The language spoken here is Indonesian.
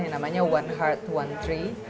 yang namanya one heart one tiga